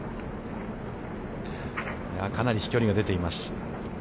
かなり飛距離が出ています。